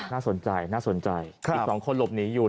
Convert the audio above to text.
น่าสนใจอีก๒คนหลบหนีอยู่